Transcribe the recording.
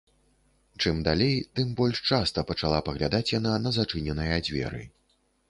Чым далей, тым больш часта пачала паглядаць яна на зачыненыя дзверы.